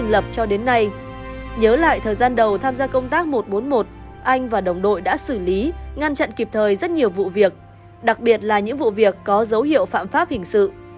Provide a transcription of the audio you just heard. lập cho đến nay thời gian đầu tham gia công tác một trăm bốn mươi một anh và đồng đội đã xử lý ngăn chặn kịp thời rất nhiều vụ việc đặc biệt là những vụ việc có dấu hiệu phạm pháp hình sự